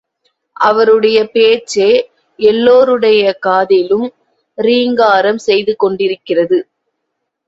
அவருடையபேச்சே எல்லோருடைய காதிலும் ரீங்காரம் செய்து கொண்டிருக்கிறது.